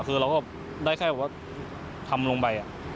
คือเราก็ได้แค่ว่าทำลงไป